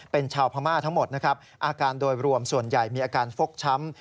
เป็นชาวพม่าทั้งหมดนะครับอาการโดยรวมส่วนใหญ่มีอาการฟกช้ำ